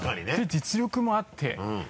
で実力もあって。